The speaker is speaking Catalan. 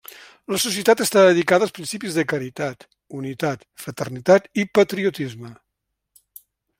La societat està dedicada als principis de caritat, unitat, fraternitat i patriotisme.